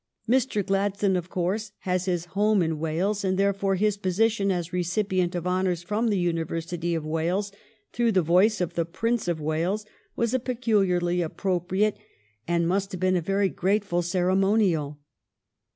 '' Mr. Gladstone, of course, has his home in Wales, and therefore his position as recipient of honors from the University of Wales through the voice of the Prince of Wales was a peculiarly appro PENULTIMATE 425 priate, and must have been a very grateful, cere monial.